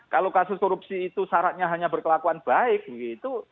kalau kasus korupsi itu syaratnya hanya berkelakuan baik begitu